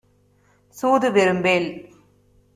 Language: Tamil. சூது விரும்பேல்.